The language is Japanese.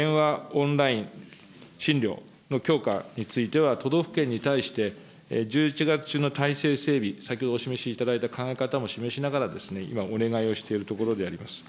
オンライン診療の強化については、都道府県に対して、１１月中の体制整備、先ほどお示しいただいた考え方も示しながら、今、お願いをしているところであります。